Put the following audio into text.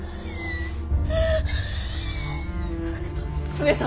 上様！